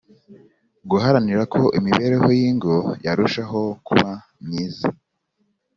Guharanira ko imibereho y ingo yarushaho kuba myiza